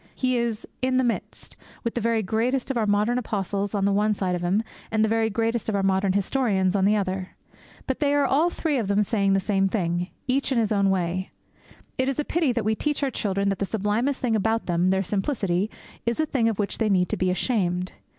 He is in the midst, with the very greatest of our modern apostles on the one side of Him, and the very greatest of our modern historians on the other. But they are all three of them saying the same thing, each in his own way. It is a pity that we teach our children that the sublimest thing about them their simplicity is a thing of which they need to be ashamed.